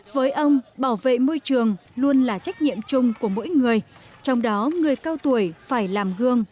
với ông bảo vệ môi trường luôn là trách nhiệm chung của mỗi người trong đó người cao tuổi phải làm gương